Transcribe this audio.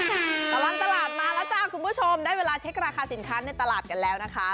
ตลอดตลาดมาแล้วจ้าคุณผู้ชมได้เวลาเช็คราคาสินค้าในตลาดกันแล้วนะคะ